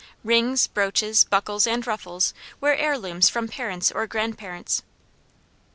Rings, broaches, buckles, and ruffles were heir looms from parents or grand parents.